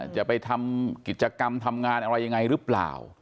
จะไปทำกิจกรรมทำงานอะไรยังไงหรือเปล่า